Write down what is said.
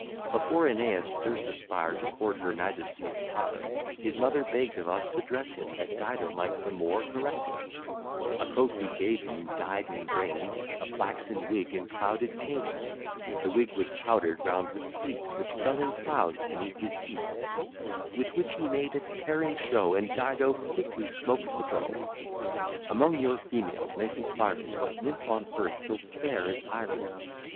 Before Æneas durst aspire To court her majesty of Tyre, His mother begg'd of us to dress him, That Dido might the more caress him: A coat we gave him, dyed in grain, A flaxen wig, and clouded cane, (The wig was powder'd round with sleet, Which fell in clouds beneath his feet) With which he made a tearing show; And Dido quickly smoked the beau. Among your females make inquiries, What nymph on earth so fair as Iris?